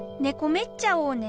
めっちゃおうね！